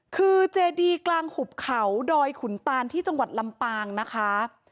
คือเจดีกลางหุบเขาดอยขุนตานที่จังหวัดลำปางนะคะ